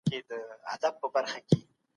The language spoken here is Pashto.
راټول سوي دلایل د څېړنې پایلې منځ ته راوړي.